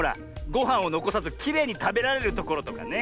ごはんをのこさずきれいにたべられるところとかね。